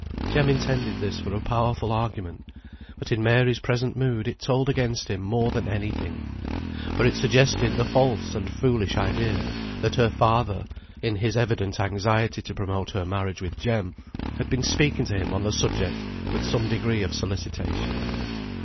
Jem intended this for a powerful argument, but in Mary's present mood it told against him more than any thing; for it suggested the false and foolish idea, that her father, in his evident anxiety to promote her marriage with Jem, had been speaking to him on the subject with some degree of solicitation.